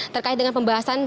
terkait dengan pembahasan